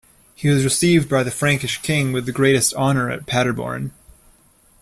He was received by the Frankish king with the greatest honour at Paderborn.